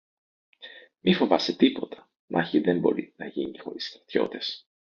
Μη φοβάσαι τίποτα, μάχη δεν μπορεί να γίνει χωρίς στρατιώτες